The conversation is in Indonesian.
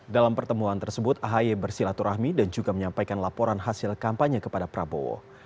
dalam pertemuan tersebut ahy bersilaturahmi dan juga menyampaikan laporan hasil kampanye kepada prabowo